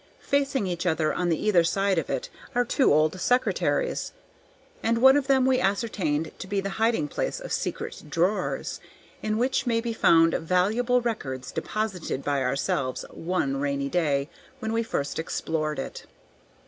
Facing each other on either side of it are two old secretaries, and one of them we ascertained to be the hiding place of secret drawers, in which may be found valuable records deposited by ourselves one rainy day when we first explored it.